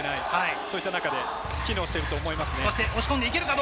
そういった中で機能していると思います。